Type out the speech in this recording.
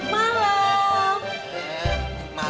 eh malem mbak